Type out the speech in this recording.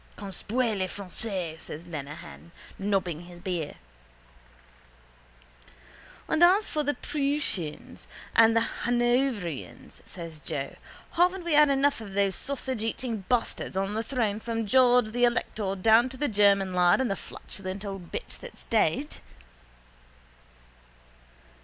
—Conspuez les Français, says Lenehan, nobbling his beer. —And as for the Prooshians and the Hanoverians, says Joe, haven't we had enough of those sausageeating bastards on the throne from George the elector down to the German lad and the flatulent old bitch that's dead?